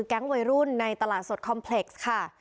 แก๊งวัยรุ่นในตลาดสดคอมเพล็กซ์ค่ะ